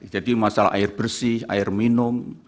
jadi masalah air bersih air minum